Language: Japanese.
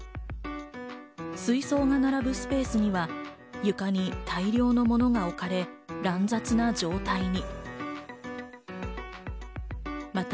水槽が並ぶスペースには床に大量の物が置かれ、乱雑な状態に。